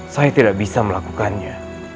saya tidak bisa melakukannya